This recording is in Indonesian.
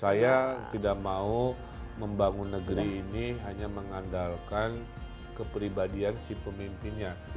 saya tidak mau membangun negeri ini hanya mengandalkan kepribadian si pemimpinnya